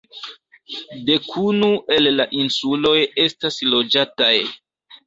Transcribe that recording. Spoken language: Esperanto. Dekunu el la insuloj estas loĝataj.